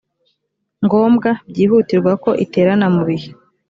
ngombwa byihutirwa ko iterana mu bihe